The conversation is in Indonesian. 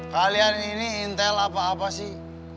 kalian ini intel apa apa sih